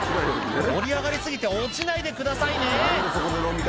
盛り上がり過ぎて落ちないでくださいね